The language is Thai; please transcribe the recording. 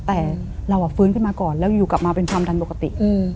แต่เราฟื้นขึ้นมาก่อนแล้วอยู่กลับมาเป็นความดันปกติ